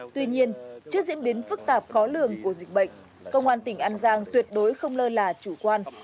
tuy nhiên trước diễn biến phức tạp khó lường của dịch bệnh công an tỉnh an giang tuyệt đối không lơ là chủ quan